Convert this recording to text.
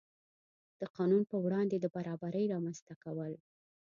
د قانون په وړاندې د برابرۍ رامنځته کول.